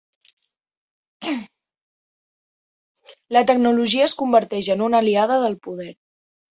La tecnologia es converteix en una aliada del poder.